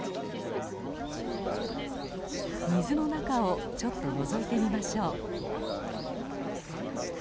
水の中をちょっとのぞいてみましょう。